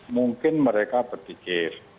mungkin mereka berpikir